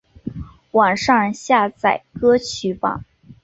网上下载歌曲榜